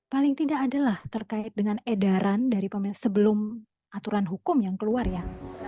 paling tidak adalah terkait dengan edaran dari pemilik sebelum aturan hukum yang keluar ya